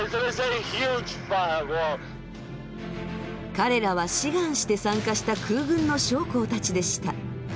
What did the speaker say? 彼らは志願して参加した空軍の将校たちでした。